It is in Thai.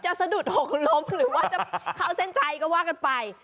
สะดุดหกล้มหรือว่าจะเข้าเส้นชัยก็ว่ากันไป